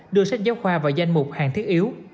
đưa sách giáo khoa vào danh mục hàng thiết yếu